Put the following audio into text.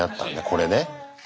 これね。